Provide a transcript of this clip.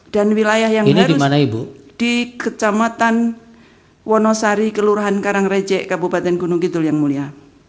dan wilayah yang harus di kecamatan wonosari kelurahan karangrejek kabupaten gunung kidul yang mulia